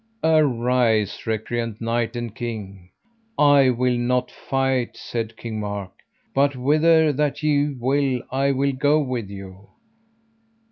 Arise, recreant knight and king. I will not fight, said King Mark, but whither that ye will I will go with you.